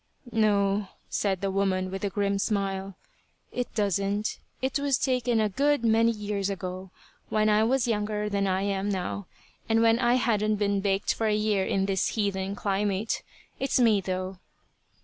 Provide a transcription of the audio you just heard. "No," said the woman, with a grim smile, "it doesn't. It was taken a good many years ago, when I was younger than I am now, and when I hadn't been baked for a year in this heathen climate. It's me, though."